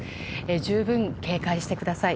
十分、警戒してください。